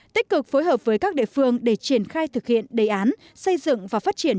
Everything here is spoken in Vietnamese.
tích cực phối hợp với các địa phương để triển khai thực hiện đề án xây dựng và phát triển